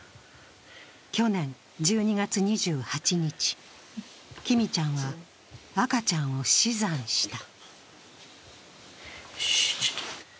去年１２月２８日、きみちゃんは赤ちゃんを死産した。